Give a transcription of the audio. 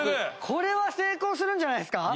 これは成功するんじゃないですか？